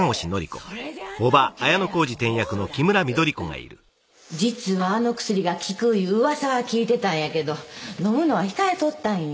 恐らく実はあの薬が効くいう噂は聞いてたんやけどのむのは控えとったんよ